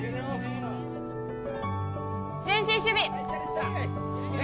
前進守備！ぜ